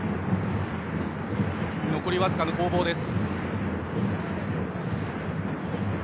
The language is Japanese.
残り僅かの攻防です。